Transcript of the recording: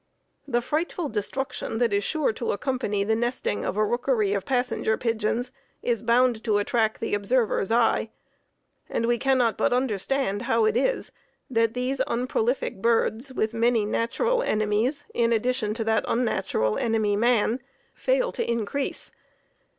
The frightful destruction that is sure to accompany the nesting of a rookery of Passenger Pigeons is bound to attract the observer's eye. And we cannot but understand how it is that these unprolific birds with many natural enemies, in addition to that unnatural enemy, man, fail to increase.